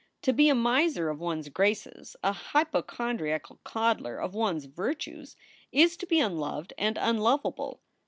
To be a miser of one s graces, a hypo chondriacal coddler of one s virtues, is to be unloved and unlovable.